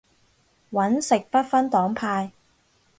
搵食不分黨派